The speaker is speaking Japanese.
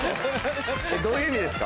どういう意味ですか？